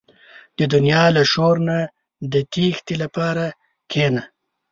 • د دنیا له شور نه د تیښتې لپاره کښېنه.